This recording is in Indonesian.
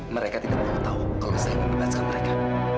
mereka tidak perlu tahu kalau saya ingin bebaskan mereka